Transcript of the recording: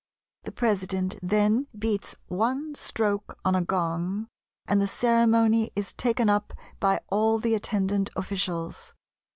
The president then beats one stroke on a gong, and the ceremony is taken up by all the attendant officials."